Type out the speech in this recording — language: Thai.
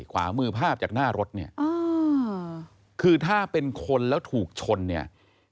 เกิดอุปฏิเหตุบ่อย